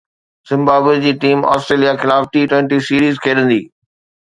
Zimbabwe جي team Australia خلاف T twenty series کيڏندي